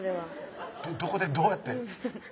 どこでどうやって？